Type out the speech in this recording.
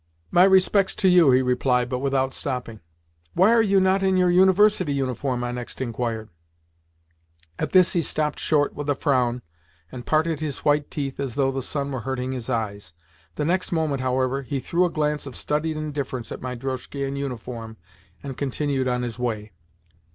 "My respects to you," he replied, but without stopping. "Why are you not in your University uniform?" I next inquired. At this he stopped short with a frown, and parted his white teeth as though the sun were hurting his eyes. The next moment, however, he threw a glance of studied indifference at my drozhki and uniform, and continued on his way.